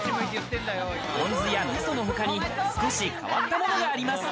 ポン酢やみその他に、少し変わったものがあります。